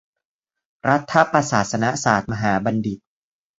รัฐประศาสนศาตรมหาบัณฑิต